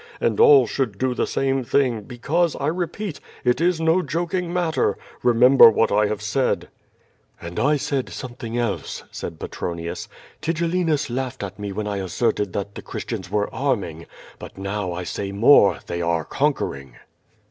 And all should do the same thing, because, I repeat, it is no joking matter. Bemember what I have said/^ QVO VADIS. 463 ^^And I said something else/' said Petronius. "Tigellinus laughed at me when I asserted that the Cliristians were arm ing, but now I say more, they are conquering."